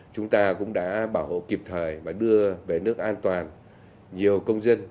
chúng ta cũng đã bảo hộ kịp thời và đưa về nước an toàn nhiều công dân